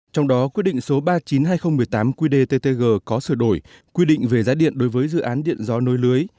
trong đó quyết định số ba mươi chín hai nghìn một mươi tám qdttg có sửa đổi quy định về giá điện đối với dự án điện gió nối lưới